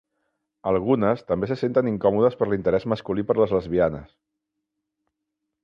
Algunes també se senten incòmodes per l'interès masculí per les lesbianes.